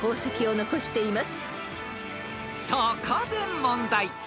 ［そこで問題］